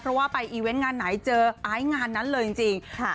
เพราะว่าไปอีเวนต์งานไหนเจอไอซ์งานนั้นเลยจริง